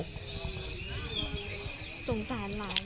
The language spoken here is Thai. สงสารหลาน